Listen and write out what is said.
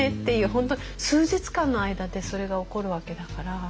本当数日間の間でそれが起こるわけだから。